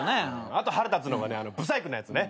あと腹立つのが不細工なやつね。